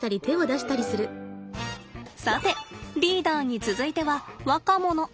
さてリーダーに続いては若者。